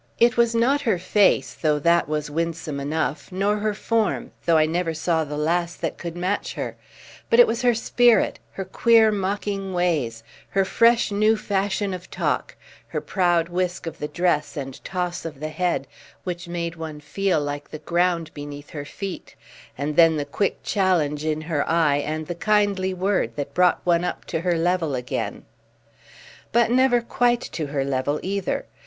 It was not her face, though that was winsome enough, nor her form, though I never saw the lass that could match her; but it was her spirit, her queer mocking ways, her fresh new fashion of talk, her proud whisk of the dress and toss of the head, which made one feel like the ground beneath her feet, and then the quick challenge in her eye, and the kindly word that brought one up to her level again. But never quite to her level either.